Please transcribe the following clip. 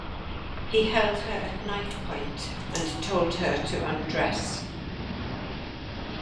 He held her at knifepoint and told her to undress.